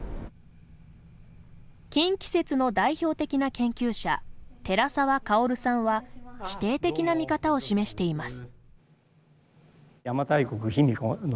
近畿説の代表的な研究者寺沢薫さんは否定的な見方を示しています。